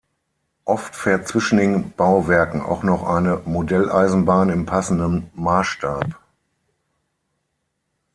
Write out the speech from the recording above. Oft fährt zwischen den Bauwerken auch noch eine Modelleisenbahn im passenden Maßstab.